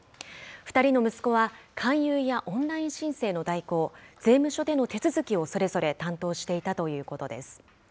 ２人の息子は勧誘やオンライン申請の代行、税務署での手続きをそれぞれ担当していたということです。